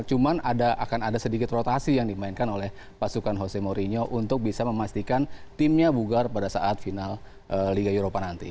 cuma akan ada sedikit rotasi yang dimainkan oleh pasukan hose mourinho untuk bisa memastikan timnya bugar pada saat final liga eropa nanti